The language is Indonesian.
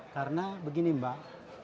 karena begini mbak